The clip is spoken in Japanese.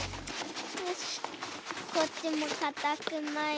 よしこっちもかたくまいて。